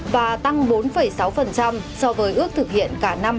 và tăng bốn sáu so với ước thực hiện cả năm hai nghìn hai mươi ba